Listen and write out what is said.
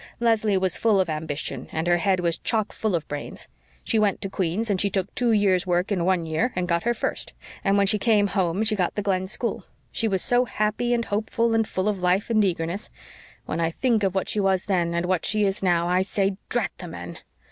Leslie was full of ambition and her head was chock full of brains. She went to Queen's, and she took two years' work in one year and got her First; and when she came home she got the Glen school. She was so happy and hopeful and full of life and eagerness. When I think of what she was then and what she is now, I say drat the men!"